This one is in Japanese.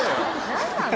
何なの？